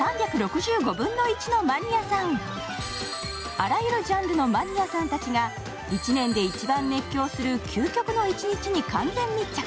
あらゆるジャンルのマニアさんたちが、１年で一番熱狂する究極の一日に完全密着。